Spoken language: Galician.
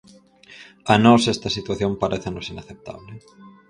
A nós esta situación parécenos inaceptable.